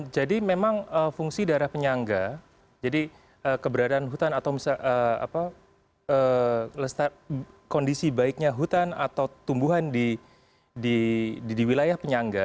jadi memang fungsi daerah penyangga jadi keberadaan hutan atau misalnya kondisi baiknya hutan atau tumbuhan di wilayah penyangga